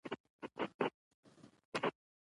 هغه یو مناسب فرصت ته ګوري.